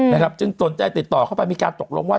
จึงสนใจติดต่อเข้าไปมีการตกลงว่า